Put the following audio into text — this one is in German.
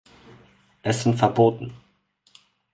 Essen verboten!